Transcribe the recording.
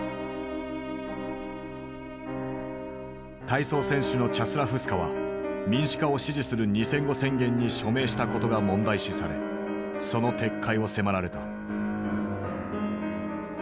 体操選手のチャスラフスカは民主化を支持する「二千語宣言」に署名したことが問題視されその撤回を迫られた。